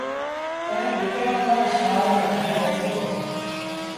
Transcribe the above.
ائيٚݩ وڪڻڻ لآ شآهر ميݩ کڻي وهيٚبو اهي